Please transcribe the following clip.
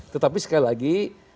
tetapi sekali lagi